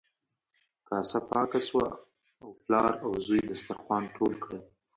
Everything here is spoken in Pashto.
کاسه پاکه شوه او پلار او زوی دسترخوان ټول کړل.